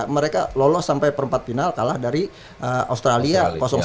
mereka lolos sampai perempat final kalah dari australia satu